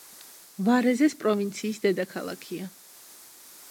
ვარეზეს პროვინციის დედაქალაქია.